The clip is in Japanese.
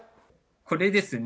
これですね。